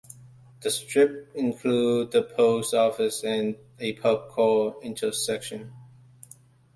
The strip includes the post office and a pub called The Intersection.